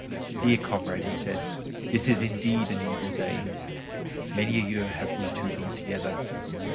"Dear comrade," he said, "this is indeed an evil day. Many a year have we two been together.